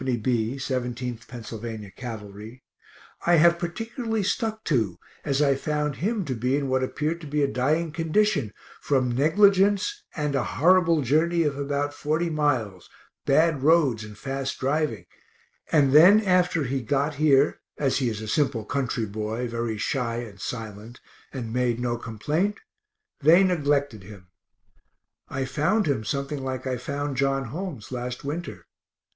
B., 17th Penn. Cavalry, I have particularly stuck to, as I found him to be in what appeared to be a dying condition, from negligence and a horrible journey of about forty miles, bad roads and fast driving; and then after he got here, as he is a simple country boy, very shy and silent, and made no complaint, they neglected him. I found him something like I found John Holmes last winter.